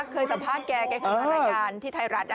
เคยสัมภาษณ์แกแกเคยเข้าทางรายการที่ไทยรัฐ